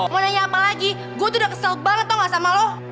mau nanya apa lagi gue tuh udah kesel banget tau gak sama lo